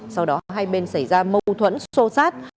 sau đó hai bên xảy ra mâu thuẫn sô sát